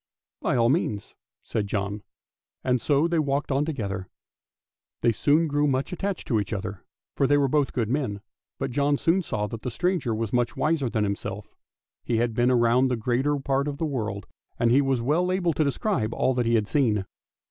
"" By all means," said John, and so they walked on together. They soon grew much attached to each other, for they were both good men, but John soon saw that the stranger was much wiser than himself, he had been round the greater part of the world, and he was well able to describe all that he had seen.